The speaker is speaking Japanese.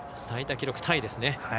最多記録タイですね。